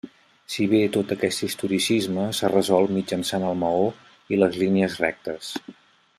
Si bé tot aquest historicisme s'ha resolt mitjançant el maó i les línies rectes.